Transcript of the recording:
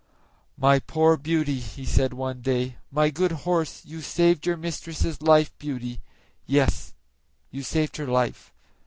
"My poor Beauty," he said one day, "my good horse, you saved your mistress' life, Beauty; yes, you saved her life."